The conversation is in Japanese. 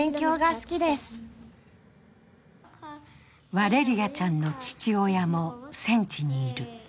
ワレリアちゃんの父親も戦地にいる。